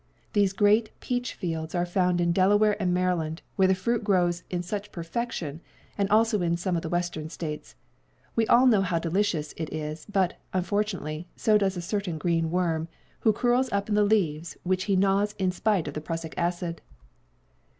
These great peach fields are found in Delaware and Maryland, where the fruit grows in such perfection, and also in some of the Western States. We all know how delicious it is, but, unfortunately, so does a certain green worm, who curls up in the leaves which he gnaws in spite of the prussic acid.